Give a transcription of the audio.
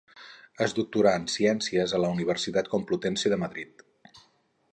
Es doctorà en ciències a la Universitat Complutense de Madrid.